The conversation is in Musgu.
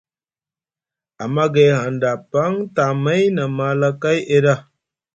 Amma gay hanɗa paŋ, tamay na mahalakay e ɗa.